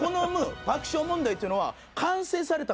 爆笑問題っていうのは。